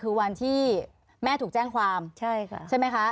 คือวันที่แม่ถูกแจ้งความใช่ไหมคะ